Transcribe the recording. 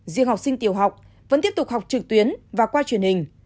riêng học sinh tiểu học vẫn tiếp tục học trực tuyến và qua truyền hình